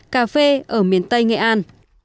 cà phê ở miền tây nghệ an